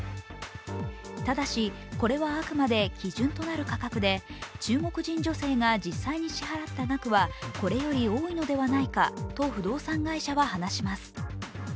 ただし、これはあくまで基準となる価格で、中国人女性が実際に支払った額はこれより多いのではないかと不動産会社は話します。